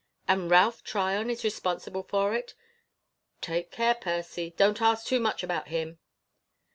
"And Ralph Tryon is responsible for it?" "Take care, Percy! Don't ask too much about him!"